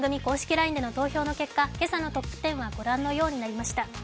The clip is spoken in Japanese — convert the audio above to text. ＬＩＮＥへの投票の結果、今朝のトップ１０はご覧のようになりました。